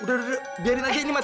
udah biarin aja ini mas